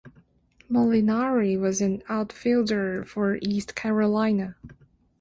Molinari was an outfielder for East Carolina.